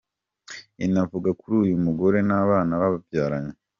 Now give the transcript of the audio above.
Inavuga kuri uyu mugore n’abana babyaranye.